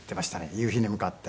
夕日に向かって。